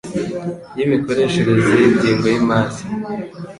y imikoreshereze y ingengo y’imari